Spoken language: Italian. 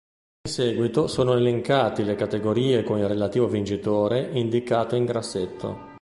In seguito sono elencati le categorie con il relativo vincitore, indicato in grassetto.